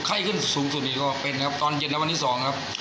ไข้ขึ้นสูงสุดอีกก็เป็นนะครับตอนเย็นนะวันนี้สองนะครับ